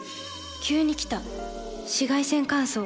急に来た紫外線乾燥。